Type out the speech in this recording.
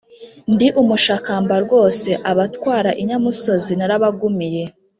Ndi umushakamba rwose, abatwara inyamusozi narabagumiye.